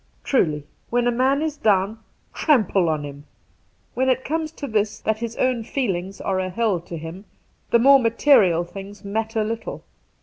Truly, when a man is down, trample on him ! When it comes to this, that his own feelings are a hell to him, the more material, things matter little.